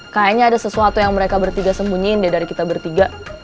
kayaknya ada sesuatu yang mereka bertiga sembunyiin dari kita bertiga